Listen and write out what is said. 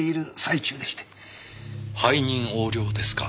背任横領ですか？